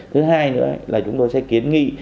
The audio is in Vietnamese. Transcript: thứ hai nữa là chúng tôi sẽ kiến nghị